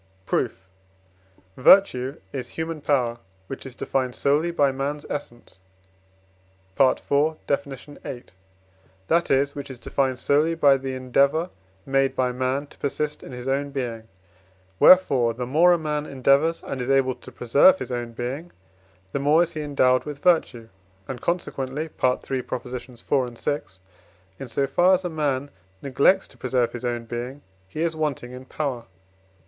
Proof. Virtue is human power, which is defined solely by man's essence (IV. Def. viii.), that is, which is defined solely by the endeavour made by man to persist in his own being. Wherefore, the more a man endeavours, and is able to preserve his own being, the more is he endowed with virtue, and, consequently (III. iv. and vi.), in so far as a man neglects to preserve his own being, he is wanting in power.